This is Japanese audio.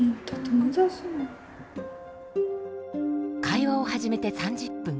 会話を始めて３０分。